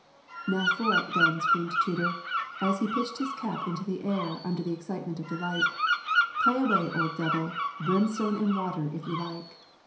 '"Now for it, then," screamed Tudur, as he pitched his cap into the air under the excitement of delight. "Play away, old devil; brimstone and water, if you like!"